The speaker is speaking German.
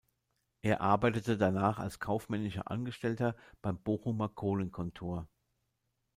Er arbeitete danach als kaufmännischer Angestellter beim Bochumer Kohlen-Kontor.